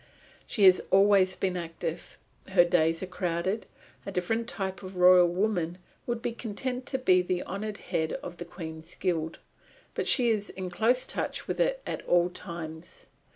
She has always been active. Her days are crowded. A different type of royal woman would be content to be the honoured head of the Queen's Guild. But she is in close touch with it at all times.